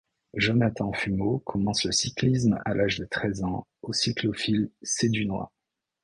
Jonathan Fumeaux commence le cyclisme à l'âge de treize ans, au Cyclophile Sédunois.